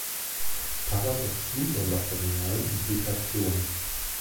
Paradoxien der materialen Implikation.